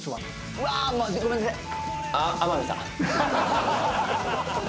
うわごめんなさい。